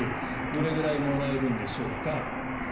どれぐらいもらえるんでしょうか。